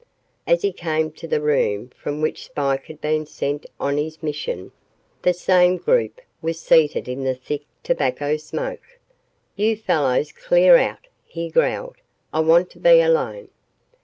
As he came to the room from which Spike had been sent on his mission, the same group was seated in the thick tobacco smoke. "You fellows clear out," he growled. "I want to be alone."